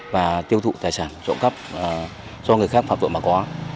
và tiêu thụ tài sản trộm cắp do người khác phạm vụ mà có